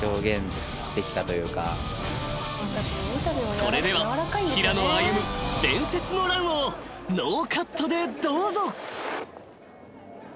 ［それでは平野歩夢伝説のランをノーカットでどうぞ］